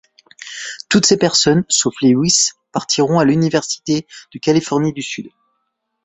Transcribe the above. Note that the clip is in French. Toutes ses personnes, sauf Lewis, partiront à l'université de Californie du Sud.